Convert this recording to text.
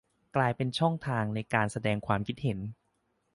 กลายเป็นช่องทางในการแสดงความคิดเห็น